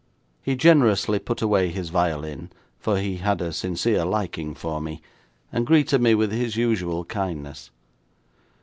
He generously put away his violin, for he had a sincere liking for me, and greeted me with his usual kindness.